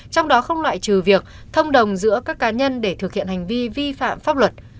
trong đó không loại trừ việc thông đồng giữa các cá nhân để thực hiện hành vi vi phạm pháp luật